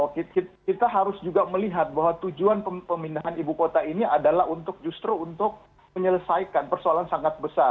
kita harus juga melihat bahwa tujuan pemindahan ibu kota ini adalah untuk justru untuk menyelesaikan persoalan sangat besar